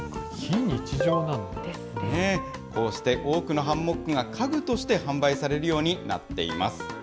こうして多くのハンモックが家具として販売されるようになっています。